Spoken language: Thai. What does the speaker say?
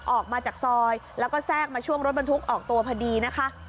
ออกมาจากซอยแล้วก็แทรกมาช่วงรถบรรทุกออกตัวพอดีนะคะ